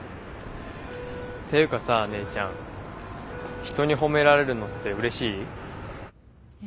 っていうかさ姉ちゃん人に褒められるのってうれしい？え？